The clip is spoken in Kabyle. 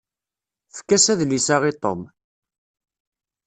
Efk-as adlis-a i Tom.